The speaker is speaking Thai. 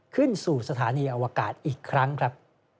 ขึ้นสู่สถานีอวกาศอีกครั้งครับ